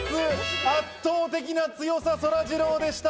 圧倒的な強さ、そらジローでした！